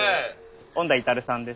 恩田至さんです。